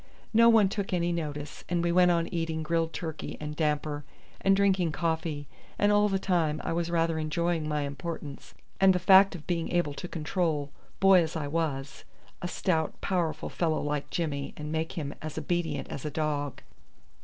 No one took any notice, and we went on eating grilled turkey and damper and drinking coffee, and all the time I was rather enjoying my importance and the fact of being able to control, boy as I was, a stout powerful fellow like Jimmy and make him as obedient as a dog.